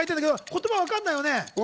言葉がわかんないよね。